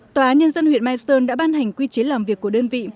tòa án nhân dân huyện mai sơn đã ban hành quy chế làm việc của đơn vị